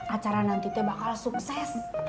acara nanti bakal sukses